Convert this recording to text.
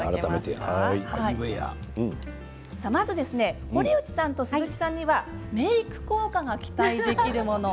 さあまずですね堀内さんと鈴木さんにはメーク効果が期待できるもの。